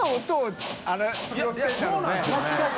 確かに。